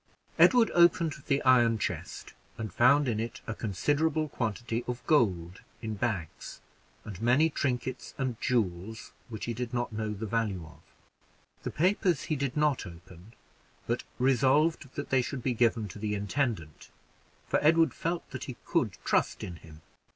Edward opened the iron chest, and found in it a considerable quantity of gold in bags, and many trinkets and jewels which he did not know the value of. The papers he did not open, but resolved that they should be given to the intendant, for Edward felt that he could trust in him.